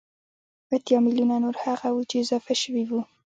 اتيا ميليونه نور هغه وو چې اضافه شوي وو